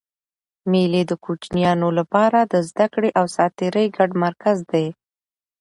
مېلې د کوچنيانو له پاره د زدهکړي او ساتېري ګډ مرکز دئ.